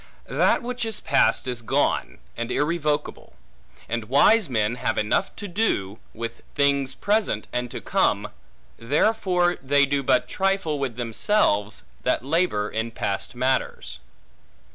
That which is past is gone, and irrevocable; and wise men have enough to do, with things present and to come; therefore they do but trifle with themselves, that labor in past matters.